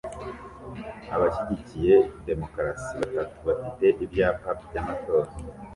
Abashyigikiye demokarasi batatu bafite ibyapa by'amatora